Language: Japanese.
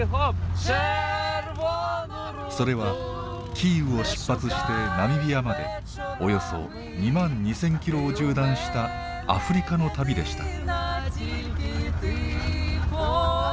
それはキーウを出発してナミビアまでおよそ２万２，０００キロを縦断したアフリカの旅でした。